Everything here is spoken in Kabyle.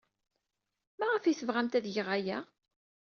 Maɣef ay tebɣamt ad geɣ aya?